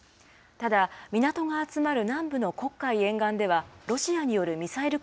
ただ、港が集まる南部の黒海沿岸では、ロシアによるミサイル